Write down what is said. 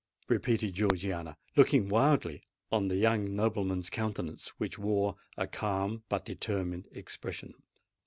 repeated Georgiana, looking wildly on the young nobleman's countenance, which wore a calm but determined expression.